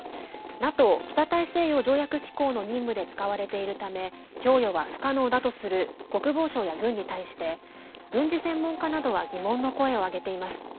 ＮＡＴＯ＝北大西洋条約機構の任務で使われているため供与は不可能だとする国防省や軍に対して軍事専門家などは疑問の声を上げています。